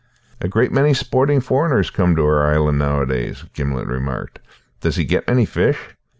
"A great many sporting foreigners come to our island nowadays," Gimblet remarked. "Does he get many fish?"